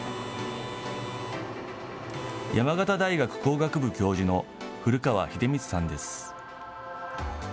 山形大学工学部教授の古川英光さんです。